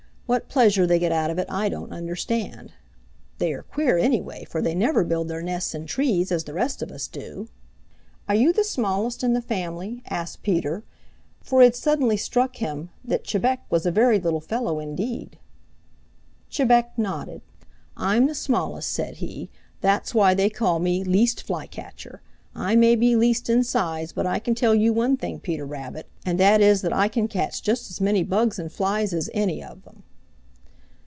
What pleasure they get out of it I don't understand. They are queer anyway, for they never build their nests in trees as the rest of us do." "Are you the smallest in the family?" asked Peter, for it had suddenly struck him that Chebec was a very little fellow indeed. Chebec nodded. "I'm the smallest," said he. "That's why they call me Least Flycatcher. I may be least in size, but I can tell you one thing, Peter Rabbit, and that is that I can catch just as many bugs and flies as any of them."